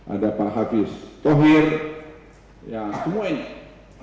ada pak hafiz tohir ya semua ini